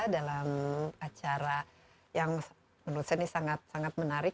dalam acara yang menurut saya ini sangat sangat menarik